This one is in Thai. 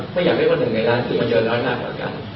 ไม่อยากเรียกว่าเกิดยังไงแล้วคือมันเจอน้อยมากเหล่ากับกัน